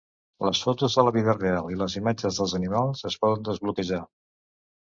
Les fotos de la vida real i les imatges dels animals es poden desbloquejar.